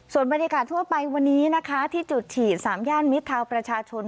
ส่วนบรรยากาศทั่วไปวันนี้นะคะที่จุดฉีด๓ย่านมิดทาวน์ประชาชน